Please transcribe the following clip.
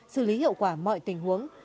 xử lý hiệu quả mọi tình huống